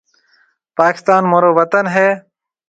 پاڪستان مهورو وطن هيَ۔